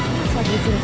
masih lagi di sini